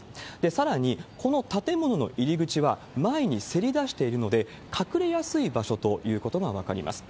さらに、この建物の入り口は、前にせり出しているので、隠れやすい場所ということが分かります。